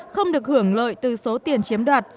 không được hưởng lợi từ số tiền chiếm đoạt